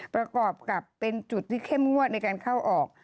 ประกอบกับเป็นจุดที่เข้มงวดในการเข้าออก